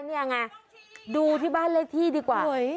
นี่ไงดูที่บ้านเลขที่ดีกว่า